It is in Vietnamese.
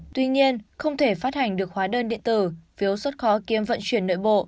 tuy nhiên không thể phát hành được hóa đơn điện tử phiếu xuất khó kiếm vận chuyển nội bộ